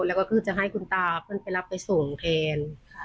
แล้วก็คือจะให้คุณตาเพื่อนไปรับไปส่งแทน